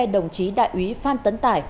đồng chí đại úy phan tấn tài